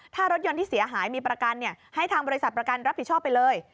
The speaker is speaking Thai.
ถ้ารถยนต์ที่เสียหายมีประกันให้ทางบริษัทประกันรับผิดชอบไปเลย